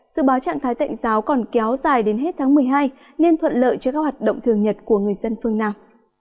dự báo trạng thái tạnh giáo còn kéo dài đến hết tháng một mươi hai nên thuận lợi cho các hoạt động thường nhật của người dân phương nam